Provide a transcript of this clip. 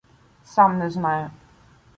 — Сам не знаю.